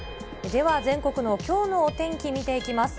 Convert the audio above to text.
では全国のきょうのお天気見ていきます。